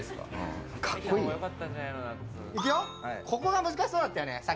行くよ、ここが難しそうだったんだよね。